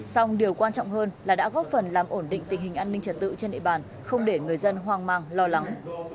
song điều quan trọng hơn là đã góp phần làm ổn định tình hình an ninh trật tự trên địa bàn không để người dân hoang mang lo lắng